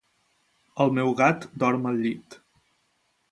El meu gat dorm al llit.